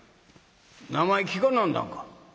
名前聞かなんだんか？」。